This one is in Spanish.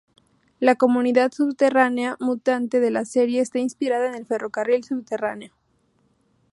La comunidad subterránea mutante de la serie está inspirada en el ferrocarril subterráneo.